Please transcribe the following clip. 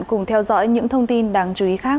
cùng theo dõi những thông tin đáng chú ý khác